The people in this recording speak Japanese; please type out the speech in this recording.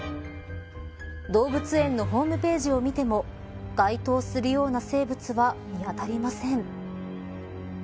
動物園のホームページを見ても該当するような生物は見当たりません。